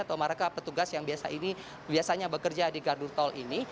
atau mereka petugas yang biasa ini biasanya bekerja di gardu tol ini